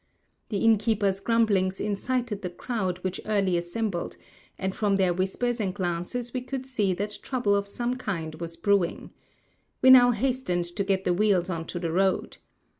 The innkeeper's grumblings incited the crowd which early assembled, and from their whispers and glances we could 192 Across Asia on a Bicycle see that trouble of some kind was brewing. We now hastened to get the wheels into the road.